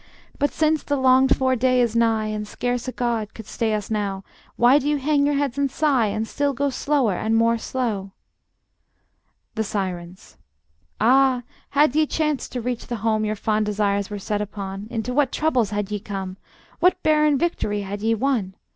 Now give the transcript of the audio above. But since the longed for day is nigh, And scarce a god could stay us now, Why do ye hang your heads and sigh, And still go slower and more slow? The Sirens: Ah, had ye chanced to reach the home Your fond desires were set upon, Into what troubles had ye come! What barren victory had ye won!